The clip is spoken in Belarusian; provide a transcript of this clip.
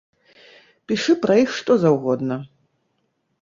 Пішы пра іх што заўгодна.